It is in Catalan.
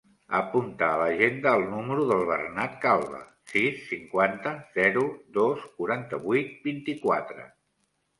Apunta a l'agenda el número del Bernat Calva: sis, cinquanta, zero, dos, quaranta-vuit, vint-i-quatre.